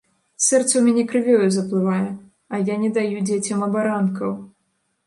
Сэрца ў мяне крывёю заплывае, а я не даю дзецям абаранкаў.